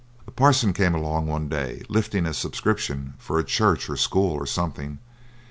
A parson came along one day lifting a subscription for a church, or school, or something.